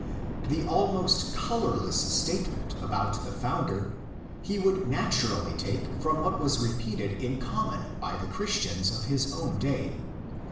The almost colourless statement about the founder he would naturally take from what was repeated in common by the Christians of his own day.